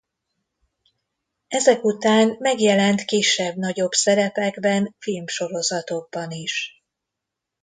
Ezek után megjelent kisebb-nagyobb szerepekben filmsorozatokban is.